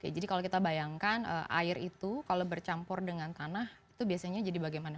jadi kalau kita bayangkan air itu kalau bercampur dengan tanah itu biasanya jadi bagaimana